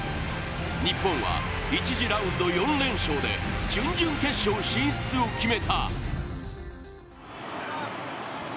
日本は１次ラウンド４連勝で準々決勝進出を決めた。